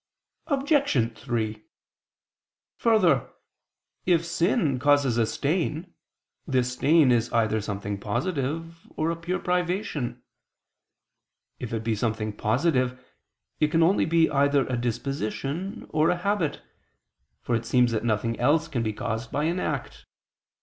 Obj. 3: Further, if sin causes a stain, this stain is either something positive, or a pure privation. If it be something positive, it can only be either a disposition or a habit: for it seems that nothing else can be caused by an act.